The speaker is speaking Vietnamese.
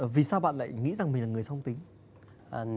vì sao bạn lại nghĩ rằng mình là người song tính